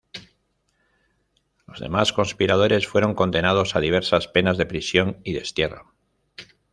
Los demás conspiradores fueron condenados a diversas penas de prisión y destierro.